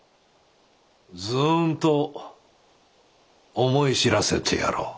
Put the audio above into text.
ずんと思い知らせてやろう。